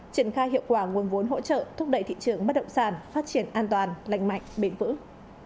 triển khai hiệu quả nguồn vốn hỗ trợ thúc đẩy thị trường bất động sản phát triển an toàn lành mạnh bền vững